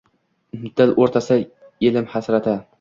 Dil oʻrtasa elim hasrati